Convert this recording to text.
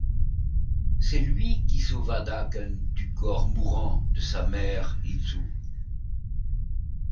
C'est lui qui sauva Daken du corps mourant de sa mère, Itsu.